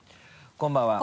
こんばんは。